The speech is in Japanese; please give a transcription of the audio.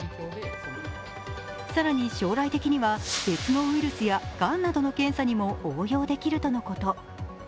更に将来的には別のウイルスやがんなどの検査にも応用できるとのこと。